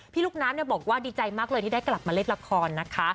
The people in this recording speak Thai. ลูกน้ำบอกว่าดีใจมากเลยที่ได้กลับมาเล่นละครนะคะ